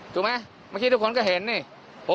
ถูกไหมทุกคนเก่ามุ้ย